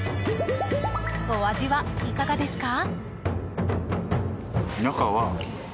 お味はいかがですか？